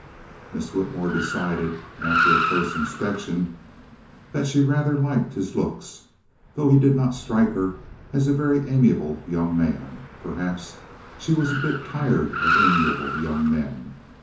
Miss Whitmore decided, after a close inspection, that she rather liked his looks, though he did not strike her as a very amiable young man. Perhaps she was a bit tired of amiable young men.